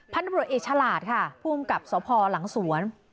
พันธุ์ตำรวจเอ๋ชลาดค่ะผู้อำกับสพหลังสวน